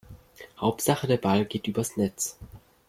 Hauptsache der Ball geht übers Netz.